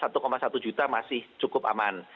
kalau kami melihat satu satu juta masih cukup aman